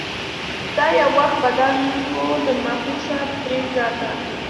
دا یو وخت بدن و د مهوشه پرې ذاته